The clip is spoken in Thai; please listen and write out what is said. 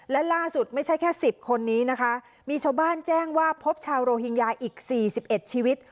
และล่าสุดไม่ใช่แค่สิบคนนี้นะคะมีชาวบ้านแจ้งว่าพบชาวโรฮิงญาอีก๔๑ชีวิต